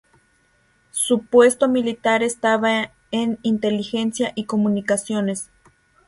Su puesto militar estaba en inteligencia y comunicaciones.